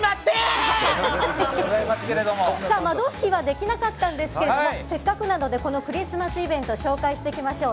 ロケはできなかったんですがせっかくなのでこのクリスマスイベント紹介していきます。